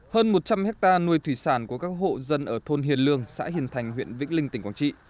hơn một trăm linh hectare nuôi thủy sản của các hộ dân ở thôn hiền lương xã hiền thành huyện vĩnh linh tỉnh quảng trị